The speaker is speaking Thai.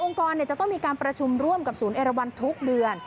กรจะต้องมีการประชุมร่วมกับศูนย์เอราวันทุกเดือน